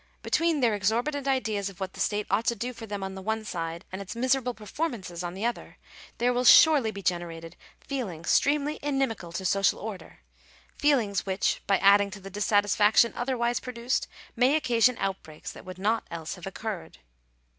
Between their exorbitant ideas of what the state ought to do for them on the one side, and its miser able performances on the other, there will surely be generated feelings extremely inimical to social order — feelings which, by adding to the dissatisfaction otherwise produced, may occasion outbreaks that would not else have occurred.